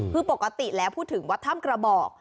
คือปกติแล้วพูดถึงวัดถ้ำกระบอก